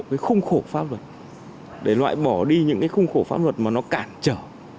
cái khung khổ pháp luật để loại bỏ đi những cái khung khổ pháp luật mà nó cản trở